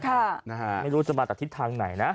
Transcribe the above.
ใช่ไม่รู้จะมาตัดทิศทางไหนนะ